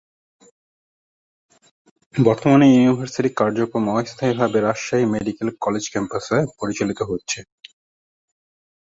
বর্তমানে ইউনিভার্সিটির কার্যক্রম অস্থায়ী ভাবে রাজশাহী মেডিকেল কলেজ ক্যাম্পাসে পরিচালিত হচ্ছে।